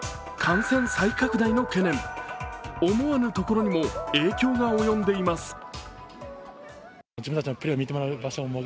感染再拡大の懸念、思わぬところにも影響が及んでいます。